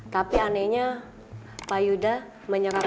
tapi anehnya pak yuda menyerahkan